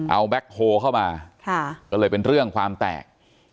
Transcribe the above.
เอาแก๊คโฮเข้ามาก็เลยเป็นเรื่องความแตก